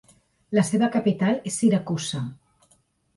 La seva capital és Siracusa.